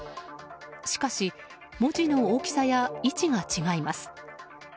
しかし、文字の大きさや位置が違います。